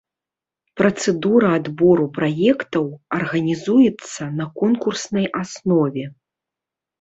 Працэдура адбору праектаў арганізуецца на конкурснай аснове.